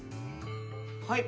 はい。